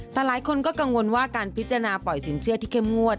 แต่หลายคนก็กังวลว่าการพิจารณาปล่อยสินเชื่อที่เข้มงวด